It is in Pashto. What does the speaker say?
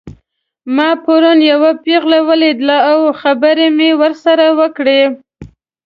ما پرون یوه پیغله ولیدله او خبرې مې ورسره وکړې